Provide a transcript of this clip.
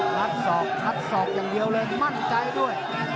งัดศอกงัดศอกอย่างเดียวเลยมั่นใจด้วย